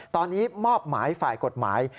ตอนนี้มอบหมายฝ่ายกฎหมาย